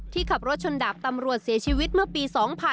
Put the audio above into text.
ขับรถชนดาบตำรวจเสียชีวิตเมื่อปี๒๕๕๘